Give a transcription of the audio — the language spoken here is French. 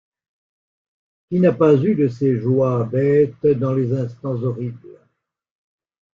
Qui n’a pas eu de ces joies bêtes dans les instants horribles?